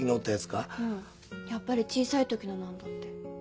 やっぱり小さいときのなんだって。